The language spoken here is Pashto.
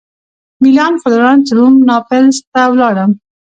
مېلان فلورانس روم ناپلز ته ولاړم.